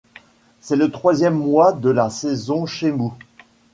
C'est le troisième mois de la saison Chémou.